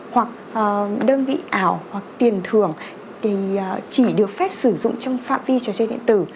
hoặc đơn vị ảo hoặc tiền thưởng chỉ được phép sử dụng trong phạm vi trò chơi điện tử